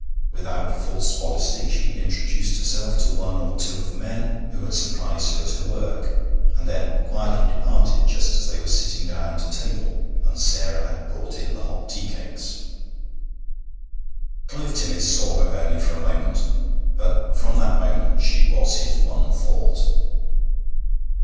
Without false modesty, she introduced herself to one or two of the men who had surprised her at her work, and then quietly departed just as they were sitting down to table and Sarah had brought in the hot tea cakes. Clive Timmis saw her only for a moment, but from that moment she was his one thought.